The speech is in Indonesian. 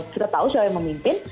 kita tahu siapa yang memimpin